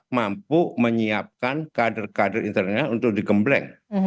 mampu menyiapkan kader kader internal untuk digembleng